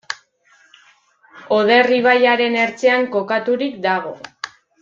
Oder ibaiaren ertzean kokaturik dago.